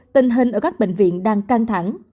tình hình ở các bệnh viện đang căng thẳng